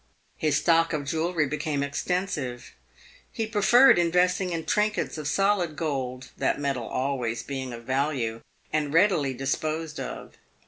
His stock of jewellery became extensive. He preferred investing in trinkets of solid gold, that metal being always of value, and readily disposed of.